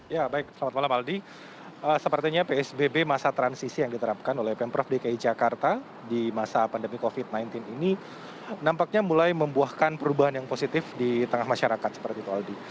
ya baik selamat malam aldi sepertinya psbb masa transisi yang diterapkan oleh pemprov dki jakarta di masa pandemi covid sembilan belas ini nampaknya mulai membuahkan perubahan yang positif di tengah masyarakat seperti itu aldi